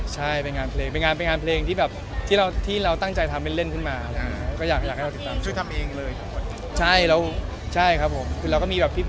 ใช่เป็นงานเพลงที่เราตั้งใจทำเป็นเล่นขึ้นมา